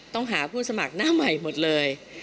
ต้องหาผู้สมัครหน้าใหม่หมดเลย